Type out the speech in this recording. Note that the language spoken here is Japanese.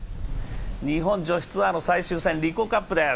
日本女子ツアーの最終戦、リコーカップです。